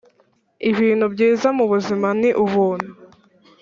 ibintu byiza mubuzima ni ubuntu.